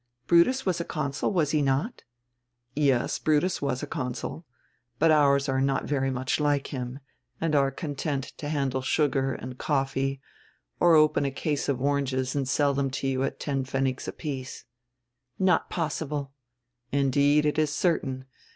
Brutus was a consul, was he not?" "Yes, Brutus was a consul. But ours are not very much like him and are content to handle sugar and coffee, or open a case of oranges and sell them to you at ten pfennigs apiece." "Not possible." "Indeed it is certain.